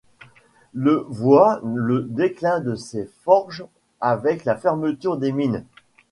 Le voit le déclin de ces forges avec la fermeture des mines.